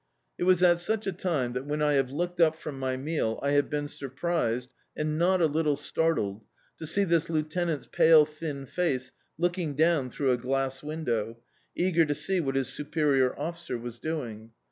It was at such a time that when I have looked up from my meal, I have been surprised, and not a little startled, to see this Lieutenant's pale thin face looking down through a glass window, eager to see what his superior officer was doing.